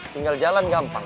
tinggal jalan gampang